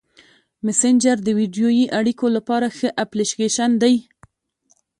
مسېنجر د ویډیويي اړیکو لپاره ښه اپلیکیشن دی.